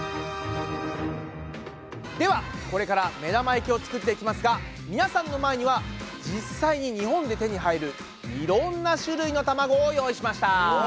ではこれから目玉焼きを作っていきますが皆さんの前には実際に日本で手に入るいろんな種類の卵を用意しました。